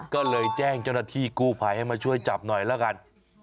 ก็เลยแจ้งเจ้าหน้าที่กู้ภัยให้มาช่วยจับหน่อยแล้วกัน